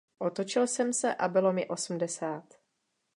Otočil jsem se a bylo mi osmdesát.